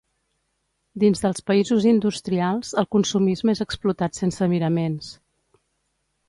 Dins dels països industrials el consumisme és explotat sense miraments.